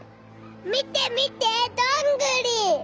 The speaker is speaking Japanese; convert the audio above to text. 見て見てどんぐり。